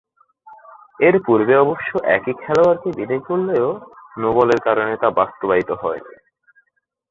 এর পূর্বে অবশ্য একই খেলোয়াড়কে বিদেয় করলেও নো-বলের কারণে তা বাস্তবায়িত হয়নি।